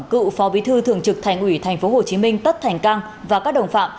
cựu phó bí thư thường trực thành ủy tp hcm tất thành cang và các đồng phạm